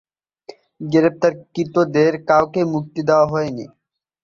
গ্রেফতারকৃতদের কাউকেই মুক্তি দেয়া হয়নি।